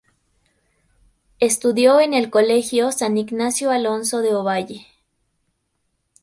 Estudió en el Colegio San Ignacio Alonso de Ovalle.